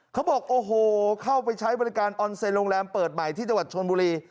เขาบอกโอ้โหเข้าไปใช้บริการออนเซนโรงแรมเปิดใหม่ที่จังหวัดชนบุรี